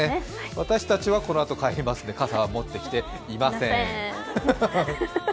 私たちはこのあと帰りますので傘は持ってきていません。